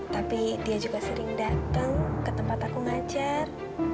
tapi dia juga sering datang ke tempat aku ngajar